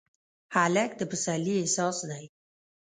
هلک د پسرلي احساس دی.